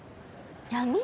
闇？